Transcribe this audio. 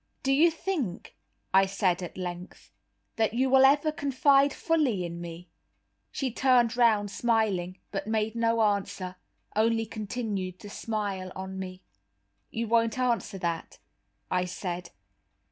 "Do you think," I said at length, "that you will ever confide fully in me?" She turned round smiling, but made no answer, only continued to smile on me. "You won't answer that?" I said.